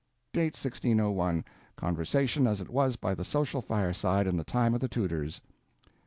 Date 1601. Conversation, as it was by the Social Fireside, in the time of the Tudors.